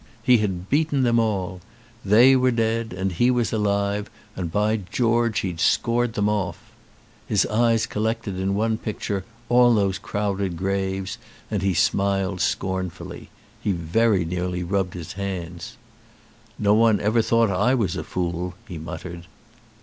He had beaten them all. They were dead and he was alive, and by George he'd scored them off. His eyes collected in one picture all those crowded graves and he smiled scornfully. He very nearly rubbed his hands. "No one ever thought I was a fool," he muttered.